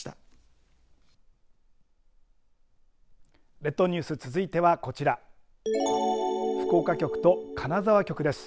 列島ニュース、続いてはこちら福岡局と金沢局です。